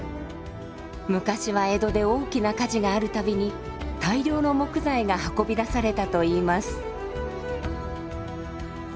昔は江戸で大きな火事がある度に大量の木材が運び出されたといいます。